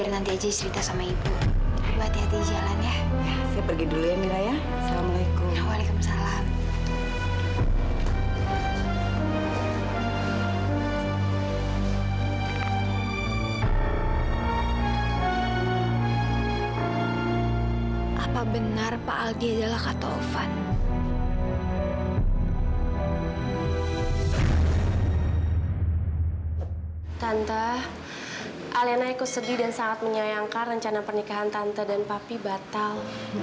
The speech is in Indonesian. tante alena ikut sedih dan sangat menyayangkan rencana pernikahan tante dan papi batal